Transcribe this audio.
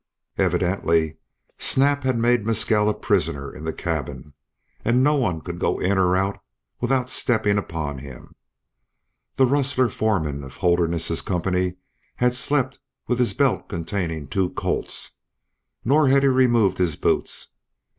Evidently Snap had made Mescal a prisoner in the cabin, and no one could go in or out without stepping upon him. The rustler foreman of Holderness's company had slept with his belt containing two Colts, nor had he removed his boots.